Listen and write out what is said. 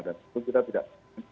dan itu kita tidak